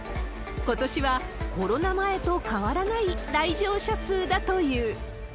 ことしは、コロナ前と変わらない来場者数だという。